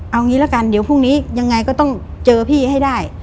เอางี้ละกันเดี๋ยวพรุ่งนี้ยังไงก็ต้องเจอพี่ให้ได้